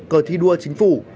cờ thi đua chính phủ